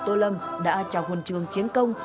tô lâm đã trao huấn trương chiến công